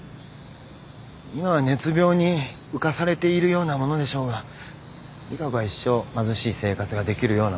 今は熱病に浮かされているようなものでしょうが利佳子は一生貧しい生活ができるような女ではありません。